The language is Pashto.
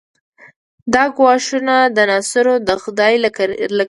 دا ګواښونه د ناصرو د خدۍ له کرکې ډک دي.